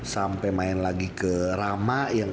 sampai main lagi ke rama